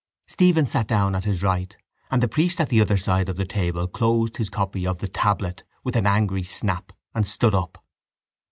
Stephen sat down at his right and the priest at the other side of the table closed his copy of The Tablet with an angry snap and stood up.